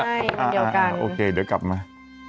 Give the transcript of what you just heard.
ใช่เดี๋ยวกันอ่าอ่าโอเคเดี๋ยวกลับมา